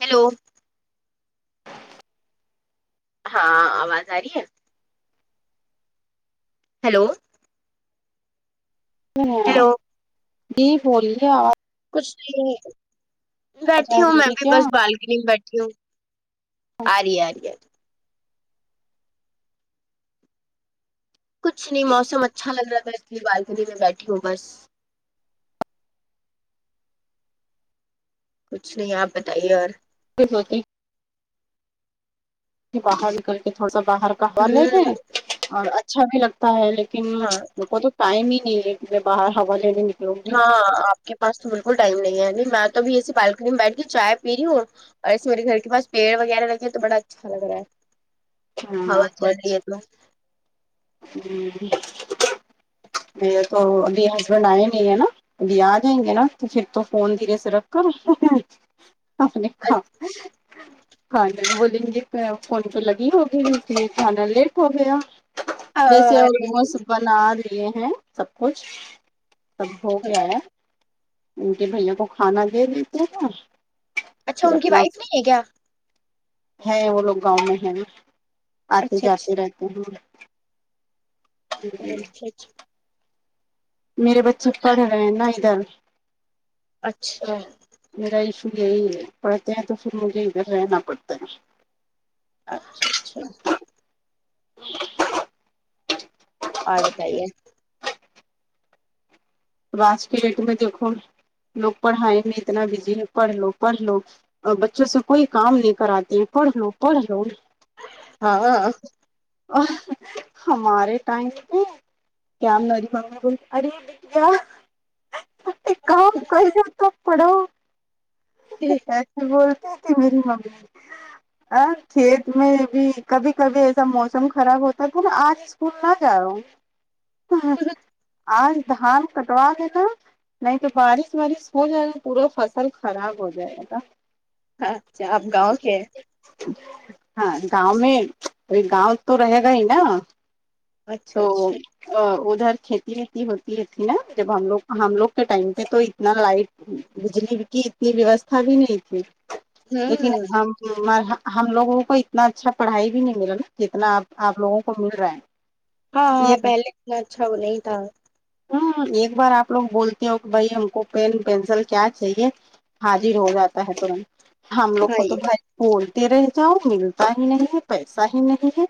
hello ہاں آواز آ رہی ہے ہیلو ہیلو جی بولیے آواز کچھ نہیں بیٹھی آ ہوں رہی میں ہے بھی کیا بس بالکنی میں بیٹھی ہوں آری آری ہے کچھ نہیں موسم اچھا لگ رہا تھا اتنی بالکنی میں بیٹھی ہوں بس کچھ نہیں آپ بتائیے اور [unintelligible] باہر نکل کے تھوڑا سا باہر کا ہوا لے ہوں ل اور اچھا بھی لگتا ہے لیکن ہاں ان کو تو ٹائم ہی نہیں ہے کہ باہر ہوا لینے نکلوں گی ہاں آپ کے پاس تو بالکل ٹائم نہیں ہے ابھی میں تو بھیھی ایسی بالکنی میں بیٹھ کے چائے پی رہی ہوں اور ایسے میرے گھر کے پاس پیڑ وغیرہ لگے تو بڑا اچھا لگ رہا ہے ہاں ہوا جاری بچ انتا میرے تو مبھی ہسبینڈ آئے نہیں ہے نا ابھی آ جائیں گے نا تو پھر تو فون دھیرے سے رکھ کر اپنے کام ک ج بولیں گے فون پہ لگی ہوگئی ا میں کھانا لیٹ ہو گیا دسیی ہو موسم بنا دیے ہیں سب کچھ سب ہو گیا ہے ان کے بھیاوں کو کھانا دے دیتے ہیں اور اچھا ان کی وائف نہیں ہے کیا ہے وہ لوگ گاؤں میں ہیں آتے اچھا جاتے اچھا رہتے ہیں جی جی اچھا میرے بچے پڑھ رہے ہیں نا ادھر اچھا میرا ایشو یہی ہے پڑھتے ہیں تو پھر مجھے ادھر رہنا پڑتا ہے اچھا اچھا اور بتائیے ا آج کے ڈیٹ میں دیکھو لوگ پڑھائی میں اتنا بزی ہے پڑھ لو پڑھ لو اور بچوں سے کوئی کام نہیں کراتے پڑھ لو پڑھ لو ہاں ہمارے ٹائم تھ کیا ہم نےری ب ب ار ا ایک کام کر تو پڑھو ایسے بولتے کہ میری ممی ا کھیت میں بھی کبھی کبھی ایسا موسم خراب ہوتا تھا نا آج اسکول نہ جاؤ آج دھان کٹوا دینا نہیں تو بارش وارش ہو جائے گا پورا فصل خراب ہو جائے گا تھا ہاں اچھا آپ گاؤں کے ہیں ہاں گاؤں میں گاؤں تو رہے گا ہی نا اچھا تو اچھا ادھر کھیتی وتی ہوتی یہ تھی نا جب ہم لوگ ہم لوگ کے ٹائم پے تو اتنا لائٹ بجلی کی اتنی ویوستھا بھی نہیں تھی لیکن ہوں اب ہم ہم لوگوں کو اتنا اچھا پڑھائی بھی نہیں مل جتنا آپ آپ لوگوں کو مل رہا ہے ہاں ہاں ایک پہلے اتنا اچھا وہ نہیں تھا ہ ایک بار آپ لوگ بولتے ہو کہ بھائی ہم کو پین پینسل کیا چاہیے حاضر ہو جاتا ہے ترنت ہم لوگ ہاں کو تو یہ بھائی بولتے رہ جاؤ ملتا ہی نہیں ہے پیسا ہی نہیں ہے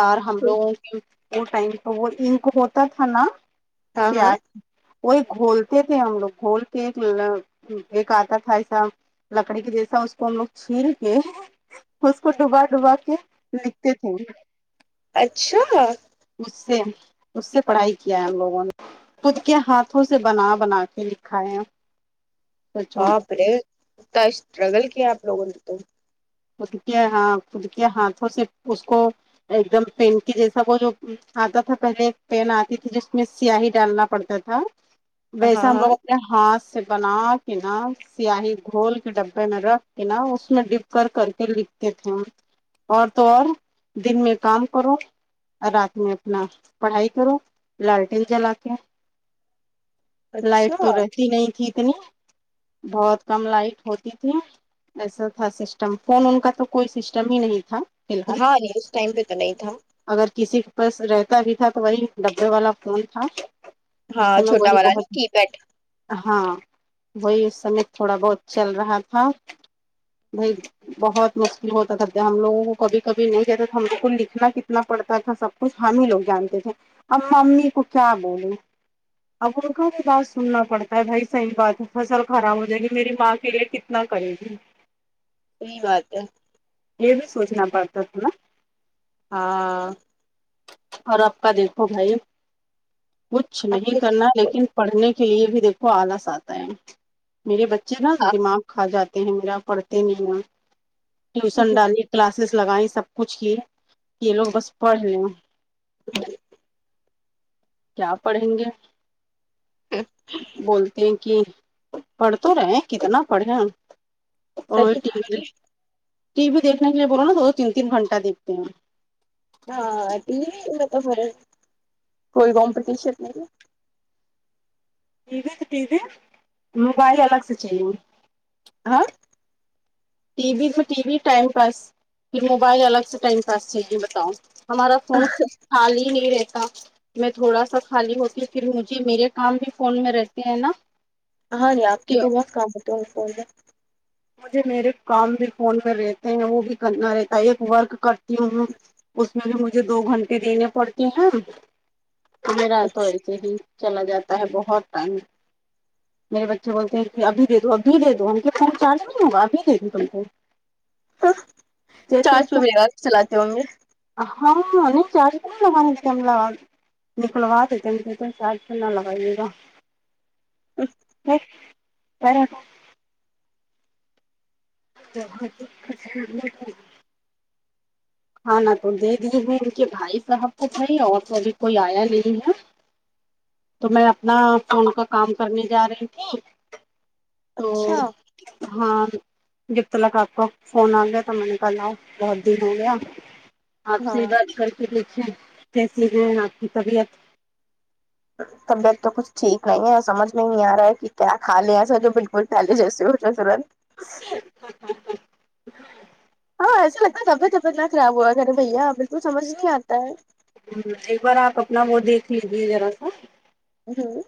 اور ہم لوگوں کی وہ ٹائم تو وہ انک ہوتا تھا نا ہاں ہاں پیاز وہ ایک گھولتے تھے ہم لوگ گھول کے ایک ایک آتا تھا ایسا لکڑی کے جیسا اس کو ہم لوگ چھیل کے اس کو ڈبا ڈبا کے لکھتے تھے اچھا اس سے اس سے پڑھائی کیا ہے ہم لوگ فون خود کے ہاتھوں سے بنا بنا کے لکھا ہے سوچو باپ رے اتنا اسٹرگل کیا آپ لوگوں نے تو خود کیا خود کے ہاتھوں سے اس کو ایک دم پین کی جیسا وہ جو آتا تھا پہلے ایک پین آتی تھی جس میں سیاہی ڈالنا پڑتا تھا ویسا ہاں ہم ہاں لوگ ہاتھ سے بنا کے نا سیاہی گھول کے ڈبے میں رکھ کے نا اس میں ڈ کر کر کے لکھتے تھے اور تو اور دن میں کام کرو رات میں اپنا پڑھائی کرو لالٹین جلا کے لائٹ اچھا تو رہتی نہیں تھی اتنی بہت کم لائٹ ہوتی تھی ایسا تھا س سٹم فون ان کا تو کوئی سسٹم ہی نہیں تھا فی الحال ہاں نہیں اس ٹائم پہ تو نہیں تھا اگر کسی کے پاس رہتا بھی تھا تو وہی ڈبے والا فون تھا اس ہاں سمے چھوٹا وہی والا بہت نہیں کی پیڈ ہاں وہی اس سے تھوڑا بہت چل رہا تھا وہائی بہت مشکل ہوتا تھا جب ہم لوگ کو کبھی کبھی نہیں کہتا تھا ہم لگ کو لکھنا کتنا پڑتا تھا سب کچھ ہم ہی لوگ جانتے تھے ا امی کو کیا بولوں اب ان کا بھی بات سننا پڑتا ہے بھائی صحیح بات ہے فصل خراب ہو جائے گی میری ماں کے لیے ک کتنا کرے گی صحیح بات ہے یہ بھی سوچنا پڑتا تھا نا ہاں اور آپ کا دیکھو بھائی کچھ آپ نہیں کس کرنا لیکن پڑھنے کے لیے بھی دیکھو آلس آتا ہے میرے بچے نا دماغ کھا جاتے ہیں میرا پڑھتے نہیں ٹیوشن ڈالی کلاسز لگائییں سب کچھ کی یہ لوگ بس پڑھ لے کیا پڑھیں گے بولتی ہیں کہ پڑھ تو رہے کتنا پڑھے ہم اور ٹی وی ٹی وی دیکھنے کے لیے بولو نا دو تین تین گھنٹ دیکھتے ہیں ہاں ٹی وی میں تو فرا کوئی کمپٹین نہیں ٹی وی تو ٹی وی موبائل الگ سے چاہیے ہاں ٹی وی تو ٹی وی ٹائم پاس پھر موبائل الگ سے ٹائم پاس چاہیے بتاؤ ہمارا فون خالی نہیں رہتا میں تھوڑا سا خالی ہوتی پھر مجھے میرے کام بھی فون میں رہتے ہیں نا ہاں جی آپ کے تو بہت کام ہوتے ہیں فون میں مجھے میرے کام بھی فون میں رہتے ہیں وہ بھی کرنا رہتا ہے ایک ورک کرتی ہوں میں اس میں بھی مجھے دو گھنٹے دینے پڑتے ہیں تو میرا تو اچھا ایسے ہی چلا جاتا ہے بہت ٹائم میرے بچے بولتے ہیں کہ اب دے دو اب دے دو ہم کے فون چارج نہیں ہوگا ابھی دے دوں [unintelligible] چارج پے مگا چلاتے ہوں گے [unintelligible] نکلواتے [unintelligible] [unintelligible] [unintelligible] کھانا تو دے دیے ہوئے ان کے بھائی صاحب کو کھائی اور تو ابھی کوئی آیا نہیں ہے تو میں اپنا فون کا کام کرنے جا رہی تھی تو اچھا ہاں جب تلک آپ کو فون آ گیا تو میں نے کہا لا بہت دن ہو گیا آپ سے ہی ہاں بات کر کے دیکھیں کیسی ہیں آپ کی طبیعت طبیعت تو کچھ ٹھیک نہیں ہے سمجھ میں نہیں آ رہا ہے کہ کیا کھ لے ایسا جو بالکل پہلے جیسے ہوتا سرت [unintelligible] طبعت طبعت نہ خراب ہوا کرے بھیا بالکل سمج نہیں آتا ہے ایک بار آپ اپنا وہ دیکھ لیجیے ذرا سا ہوں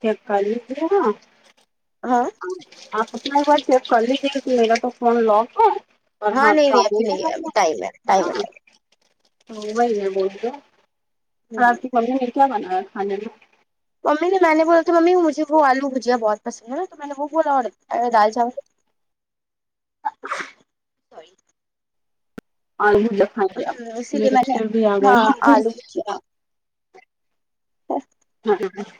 کیا [unintelligible] ہاں آپ اپنا ایک بار چیک کر لیجیے کہ میرا تو فون لاک ہے اور ہاں ہات نہیں نہیں ابھی نہیں ہے ٹائم ہے ٹائم ہے [unintelligible] تو وہی ہے بول رہ ٹائم اور آپ کی مممی نے کیا بنایا کھانے میں ممی نے میں نے بولا تو ممی مجھے وہ آلو بھجیا بہت پسند ہے نا تو میں نے وہ بولا اور دال چاول ہ اسی لیے میں نے ہاں آلو [unintelligible] بھجیا ہاں [inaudible]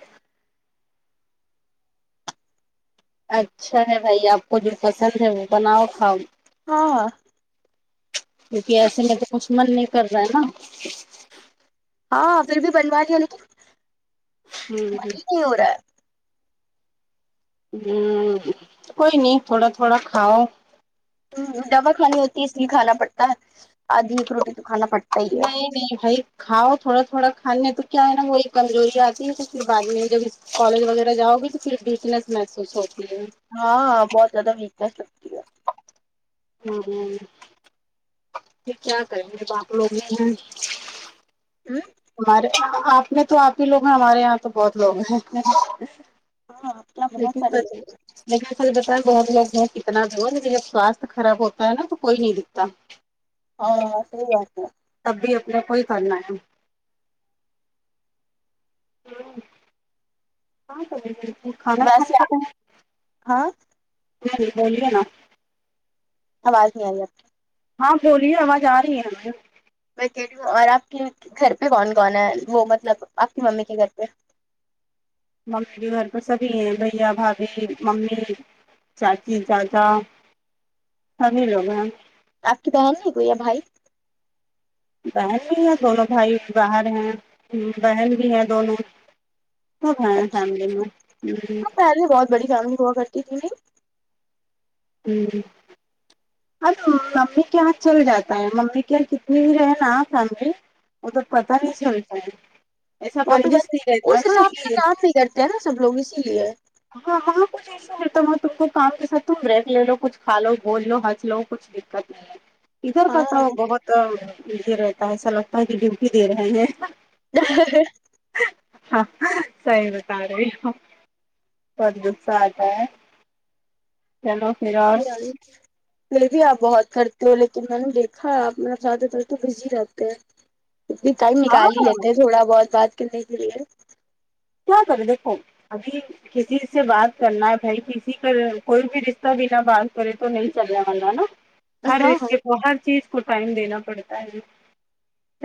اچھا ہے بھائی آپ کو جو پسند ہے وہ بناؤ کھاؤ ہاں کیونکہ ایسے میں تو کچھ من نہیں کر رہا ہے نا ہاں پھر بھی بنوا [unintelligible] ہوں ھو نہی ہورا ہا ہے ہوں کوئی نہیں تھوڑا تھوڑا کھاؤ دوائی کھانی ہوتی ہے اس لیے کھانا پڑتا ہے آدھی ایک روٹی تو کھانا پڑتا ہی ہے نہیں نہیں بھائی کھاؤ تھوڑا تھوڑا کھانے تو کیا ہے نا وہی کمزوری آتی ہے تو پھر بعد میں جب کالج وغیرہ جاؤ گے تو پھر ویکنیس محسوس ہوتی ہے ہاں بہت زیادہ ویکنس لگتی ہے ہمم پہر کیا کریں [unintelligible] ہمارے آپ نے تو آپ ہی لوگ ہیں ہمارے یہاں تو بہت لوگ ہیں ہاں کیا بہت سارے لوگ، [unintelligible] لیکن اصل بات بہت لوگ ہیں کتنا دور ہے لیکن جب سوستھ خراب ہوتا ہے نا تو کوئی نہیں دکھتا [unintelligible] تب بھی اپنے کوئی کرنا ہے ویسے ہاں [unintelligible] [unintelligible] آواز نہیں آئی آپ کی ہاں بولیے آواز آ رہی ہے ہمیں مے ٹھیک ھو ہوں اور آپ کے گھر پہ کون کون ہے وہ مطلب آپ کی ممی کے گھر پہ ممی کے گھر تو سبھی ہیں بھیا بھاابھی ممی چاچی چاچا سبھی لوگ ہیں آپ کی بہن نہیں ہوئییا بھائی بہن بھی ہے دونوں بھائی باہر ہیں بہن بھی ہیں دونوں سب ہے اچھا فیملی میں ہاں پہلے بہت بڑی فیملی ہوا کرتی تھی نہیں ہوں اب ممی کے یہاں چل جاتا ہے ممی کے یہاں کتنی بھی رہ نا فیملی وہ تو پتا نہیں چلتا ہے ایسا وہاں پہ بندش بس نہیں رہتا اس نا حساب سے یہ کام نہیں کرتے ہیں نا سب لوگ اسی لیے ہاں ہاں کچھ ایسا ہوتا ہو تم کو کام کےساتھ تم رہتی ہو کچھ کھالو بول لو ہنس لو کچھ دکت نہیں ادھر کا ہاں تو بہت تو یہ رہتا ہے ایسا لگتا ہے کہ ڈیوٹی دے رہے ہیں ہ ہاں صحیح بتا رہے ہو بہت غصہ آتا ہے چلو پھر اور اچ پھر بھی آپ بہت کرتے ہو لیکن میں نے دیکھا ہے آپ مطلب زیادہ تر تو بزی رہتے ہیں اتنی ٹائم ہاں نکال ہی لیتے تھوڑا بہت بات کرنے کے لیے کیا کر دیکھو ابھی کسی سے بات کرنا ہے بھائی کسی کا کوئی بھی رشتہ بنا بات کرے تو نہیں چلنے والا نا ہر ہاں رشتے کو ہر چیز کو ٹائم دینا پڑتا ہے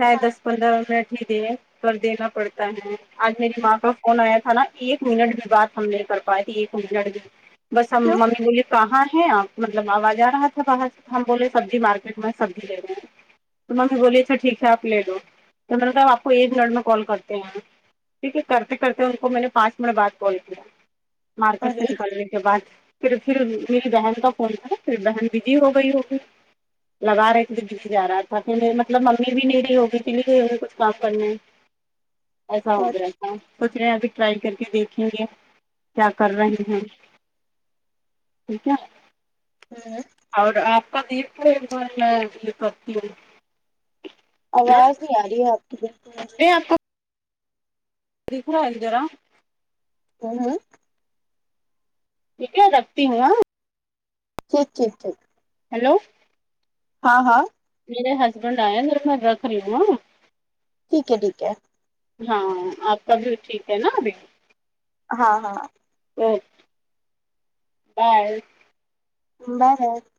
چاہے دس پندرہ منٹ ہی دیے پر دینا پڑتا ہے آج میری ماں کا فون آیا تھا نا ایک منٹ بھی بات ہم نہیں کر پائے تھی ایک منٹ بھی بس ہم کیوں ممی بولی کہاں ہیں آپ مطلب آواز آ رہا تھا باہر سے ہم بولے سبزی مارکیٹ میں سبزی لے رہے ہیں تو ممی بولی اچھا ٹھیک ہےآپ لے لو تو میں نے کہا آپ کو ایک منٹ میں کال کرتے ہیں ٹھیک ہے کرتے کرتے ان کو میں نے پانچ منٹ بعد کال کیا مارکیٹ سے ارے نکلنے کے بعد پھر پھر میری بہن کا فون تھا پھر بہن بزی ہو گئی ہوگی لگا رہے تھے بزی آرہا تھا پھر میرے مطلب ممی بھی نہیں رہی ہوگی چلی گئی ہوگی کچھ کام کرنے ایسا ہو گیا تھا سوچ رہے ہیں ابھی ٹرائی کر کے دیکھیں گے کیا کر رہے ہیں ٹھیک ہے ہوں اور آپ کا دیر کو ہے وہ میں یہ کرتی ہوں [unintelligible] آواز میں نہیں آ رہی ہے آپ کی بالکل آپ کو دیکھ رہا ہے ذرا کون ہے ٹھیک ترکھتی ہوں آں ٹھیک ٹھیک ٹھیک ہیلو ہاں ہاں میرے ہسبینڈ آئے ہیں میرے میں رکھ رہی ہاں ٹھیک ہے ٹھیک ہے ہاں آپ کا بھی ٹھیک ہے نا ابھی ہاں ہاں اوکے بائے بر [unintelligible]